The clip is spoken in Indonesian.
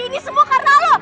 ini semua karena lo